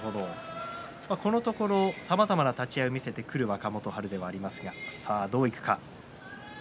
このところさまざまな立ち合いを見せてくる若元春ではありますがどういきますか。